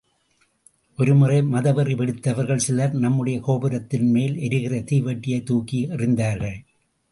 ஒருமுறை மதவெறி பிடித்தவர்கள் சிலர் நம்முடைய கோபுரத்தின்மேல் எரிகிற தீவட்டியைத் தூக்கி எறிந்தார்கள்.